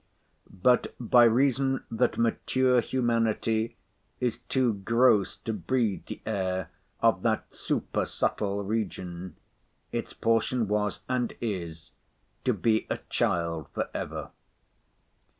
But, by reason that Mature Humanity is too gross to breathe the air of that super subtile region, its portion was, and is, to be a child for ever.